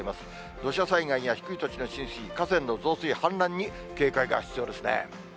土砂災害や低い土地の浸水、河川の増水、氾濫に警戒が必要ですね。